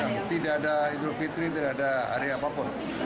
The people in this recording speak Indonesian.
ya tidak ada idul fitri tidak ada hari apapun